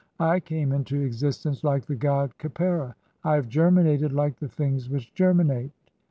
I came into "existence like the god Khepera, I have germinated like the "things which germinate